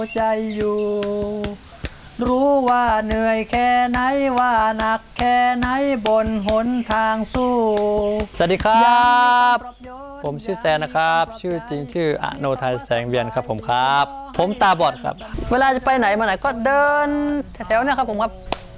สวัสดีครับผมชื่อแซนนะครับชื่อจริงชื่ออโนไทยแสงเวียนครับผมครับผมตาบอดครับเวลาจะไปไหนมาไหนก็เดินแถวนะครับผมครับ